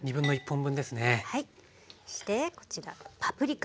そしてこちらパプリカ。